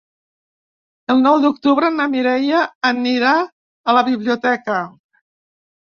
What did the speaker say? El nou d'octubre na Mireia anirà a la biblioteca.